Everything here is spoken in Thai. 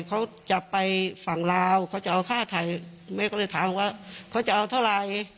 เขาจะไปฝั่งลาวเขาจะเอาค่าไทยแม่ก็เลยถามว่าเขาจะเอาเท่าไหร่